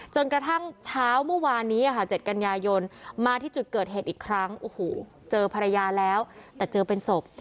จนกระทั่งเช้าเมื่อวานนี้๗กันยายนมาที่จุดเกิดเหตุอีกครั้งโอ้โหเจอภรรยาแล้วแต่เจอเป็นศพ